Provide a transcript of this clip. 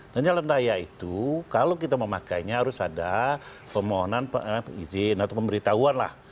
dan jalan raya itu kalau kita memakainya harus ada pemerintah